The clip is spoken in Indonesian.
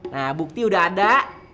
nah bukti udah ada